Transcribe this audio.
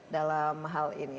dalam hal ini